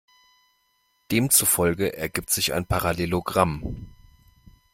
Demzufolge ergibt sich ein Parallelogramm.